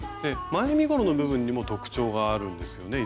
前身ごろの部分にも特徴があるんですよね？